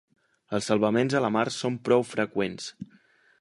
Els salvaments a la mar són prou freqüents.